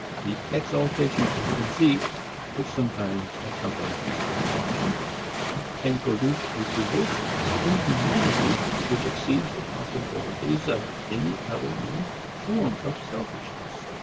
The exaltation of conceit which sometimes accompanies this absorption can produce a corrosive inhumanity which exceeds the possibilities of any other known form of selfishness.